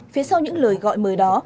phía sau những lời gọi mời đó